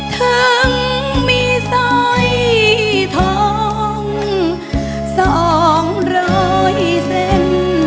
ทั้งมีสัยทองสองร้อยเส้น